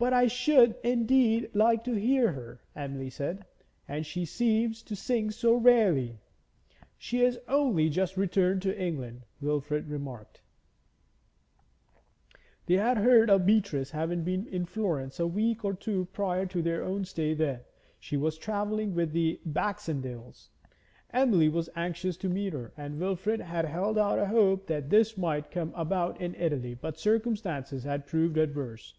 'But I should indeed like to hear her,' Emily said, 'and she seems to sing so rarely.' 'She has only just returned to England,' Wilfrid remarked They had heard of Beatrice having been in Florence a week or two prior to their own stay there. She was travelling with the Baxendales. Emily was anxious to meet her, and Wilfrid had held out a hope that this might come about in Italy, but circumstances had proved adverse.